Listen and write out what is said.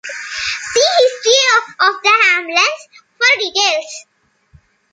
See History of the ambulance for details.